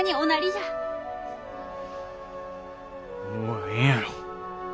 もう会えんやろ。